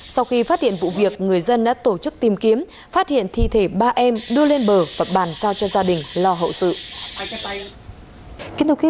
sau khi phát hiện vụ việc người dân đã tổ chức tìm kiếm phát hiện thi thể ba em đưa lên bờ và bàn giao cho gia đình lo hậu sự